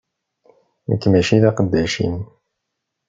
Nekk mačči d aqeddac-im.